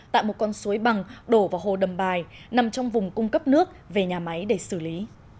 tại một con suối bằng đổ vào hồ đầm bài nằm trong vùng cung cấp nước về nhà máy để xử lý